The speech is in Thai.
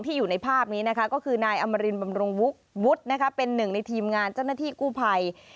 อยู่ในภาพนี้นะคะก็คือนายอมรินบำรุงวุกวุฒิเป็นหนึ่งในทีมงานเจ้าหน้าที่กู้ภัย